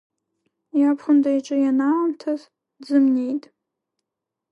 Иабхәында иҿы ианаамҭаз дзымнеит.